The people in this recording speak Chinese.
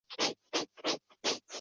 此举激起云南各地回民的反抗。